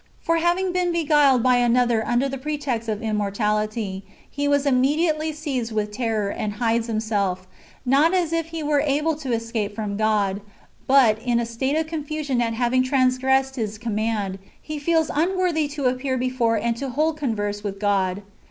For, having been beguiled by another under the pretext of immortality, he is immediately seized with terror, and hides himself ; not as if he were able to escape from God ; but, in a state of confusion at having transgressed His command, he feels unworthy to appear before and to hold converse with God.